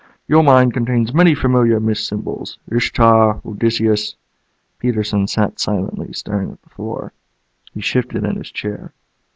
Your mind contains many familiar myth symbols. Ishtar, Odysseus " Peterson sat silently, staring at the floor. He shifted in his chair.